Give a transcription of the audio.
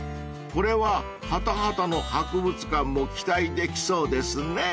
［これはハタハタの博物館も期待できそうですね］